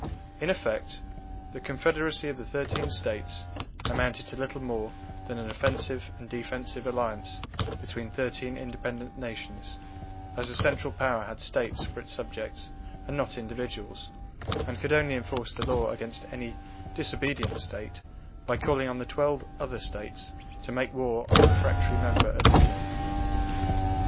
In effect, the confederacy of the thirteen States amounted to little more than an offensive and defensive alliance between thirteen independent nations, as the central power had States for its subjects and not individuals, and could only enforce the law against any disobedient State by calling on the twelve other States to make war on the refractory member of the union.